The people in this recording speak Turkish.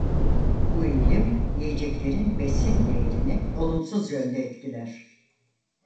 Bu eğilim yiyeceklerin besin değerini olumsuz yönde etkiler.